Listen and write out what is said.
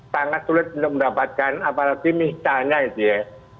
sangat sulit untuk mendapatkan apalagi misalnya itu ya